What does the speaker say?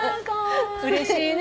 うれしいね。